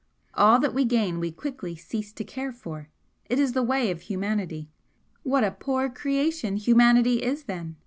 All that we gain we quickly cease to care for it is the way of humanity." "What a poor creation humanity is, then!"